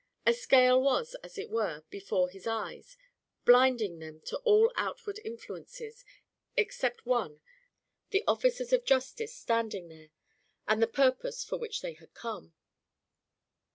A scale was, as it were, before his eyes, blinding them to all outward influences, except one the officers of justice standing there, and the purpose for which they had come.